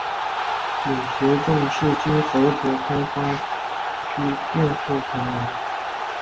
李学政是今菏泽开发区佃户屯人。